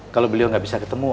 kalau beliau nggak bisa ketemu